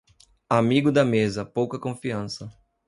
Amigo da mesa, pouca confiança.